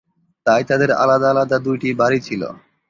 তাই তাদের আলাদা আলাদা দুইটি বাড়ি ছিল।